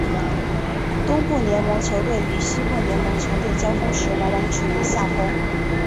东部联盟球队与西部联盟球队交锋时往往处于下风。